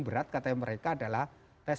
berat kata mereka adalah tes